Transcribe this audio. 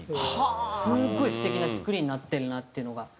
すごい素敵な作りになってるなっていうのが。